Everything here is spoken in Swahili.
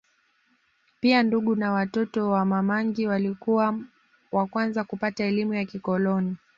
Pia ndugu na watoto wa Mamangi walikuwa wa kwanza kupata elimu ya kikoloni